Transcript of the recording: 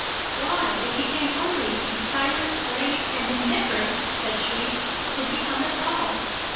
"Why, if he came only to be silent, grave, and indifferent," said she, "did he come at all?"